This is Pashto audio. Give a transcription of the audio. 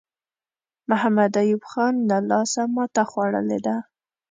محمد ایوب خان له لاسه ماته خوړلې ده.